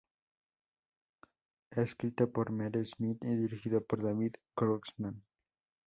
Escrito por Mere Smith y dirigido por David Grossman.